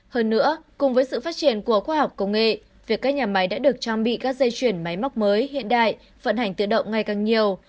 hơn nữa cùng với sự phát triển của khoa học công nghệ việc các nhà máy đã được trang bị các dây chuyển máy móc mới hiện đại vận hành tự động ngày càng nhiều